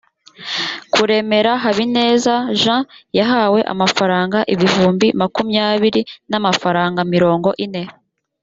kuremera habineza jean yahawe amafaranga ibihumbi makumyabiri n amafaranga mirongo ine